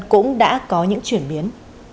cũng đã có những chuyển biến